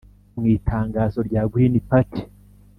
Mu itangazo rya Green Party